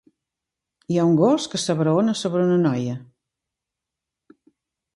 Hi ha un gos que s'abraona sobre una noia.